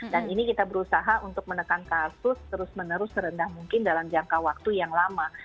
dan ini kita berusaha untuk menekan kasus terus menerus serendah mungkin dalam jangka waktu yang lama